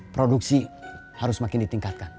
produksi harus makin ditingkatkan